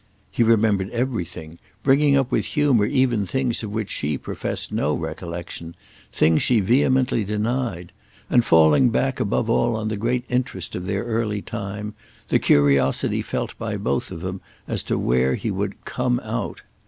He remembered everything, bringing up with humour even things of which she professed no recollection, things she vehemently denied; and falling back above all on the great interest of their early time, the curiosity felt by both of them as to where he would "come out."